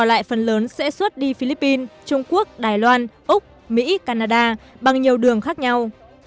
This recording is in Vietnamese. sản xuất đi philippines trung quốc đài loan úc mỹ canada bằng nhiều đường khác nhau